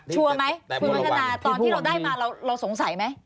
ไหมคุณวัฒนาตอนที่เราได้มาเราสงสัยไหม